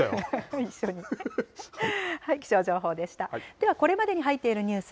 ではこれまでに入っているニュース